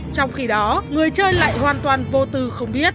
trong khi đó người chơi lại hoàn toàn vô tư không biết